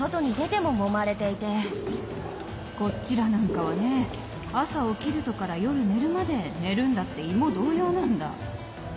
こっちらなんかはねえ朝起きるとから夜寝るまで寝るんだって芋同様なんだ。